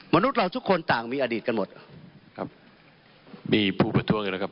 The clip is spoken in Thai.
มนุษย์เราทุกคนต่างมีอดีตกันหมดครับมีผู้ประท้วงกันนะครับ